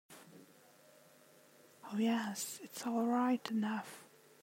Oh, yes, it's all right enough.